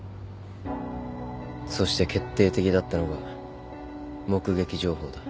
そして決定的だったのが目撃情報だ。